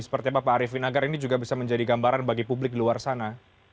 seperti apa pak arifin agar ini juga bisa menjadi gambaran bagi publik di luar sana